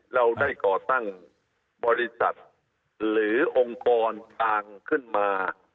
เราได้ก่อตั้งบริษัทหรือองค์กรต่างขึ้นมา